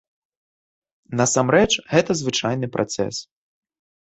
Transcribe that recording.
Насамрэч, гэта звычайны працэс.